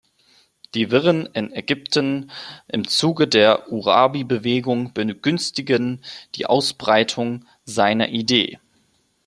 Die Wirren in Ägypten im Zuge der Urabi-Bewegung begünstigten die Ausbreitung seiner Idee.